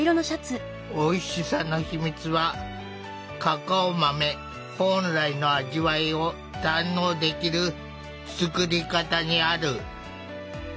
おいしさの秘密はカカオ豆本来の味わいを堪能できる作り方にある。